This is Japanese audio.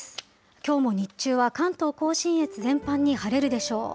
きょうも日中は関東甲信越全般に晴れるでしょう。